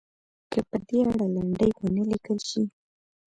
که په دې اړه لنډۍ ونه لیکل شي.